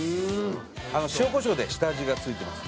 塩コショウで下味がついてます。